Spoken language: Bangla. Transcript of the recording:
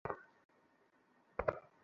তাঁর নারাজিতে তোমার সম্পত্তি নিতে চাই নে।